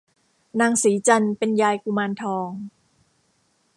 นางสีจันทร์เป็นยายกุมารทอง